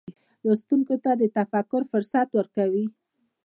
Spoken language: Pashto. لوستونکي ته د تفکر فرصت ورکوي.